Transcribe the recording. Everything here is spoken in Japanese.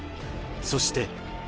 そして。